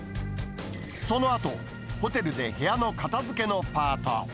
そのあと、ホテルで部屋の片づけのパート。